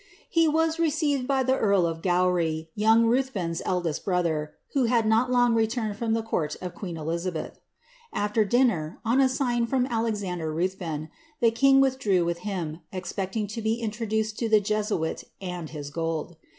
He was received by the earl of Oowry, young Ruth ven^s eldest brother, who had not long returned fjx>m the court of queen Elizabeth. AAer dinner, on a sign from Alexander Ruthven, the king withdrew with him, expecting to be introduced to the Jesuit and his gold.